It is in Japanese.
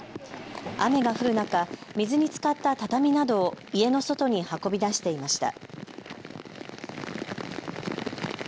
雨が降る中、水につかった畳などを家の外に運び出していました。